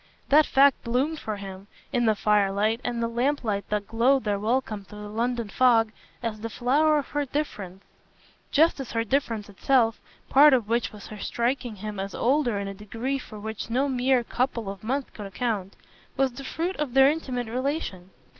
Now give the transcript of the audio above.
That fact bloomed for him, in the firelight and lamplight that glowed their welcome through the London fog, as the flower of her difference; just as her difference itself part of which was her striking him as older in a degree for which no mere couple of months could account was the fruit of their intimate relation.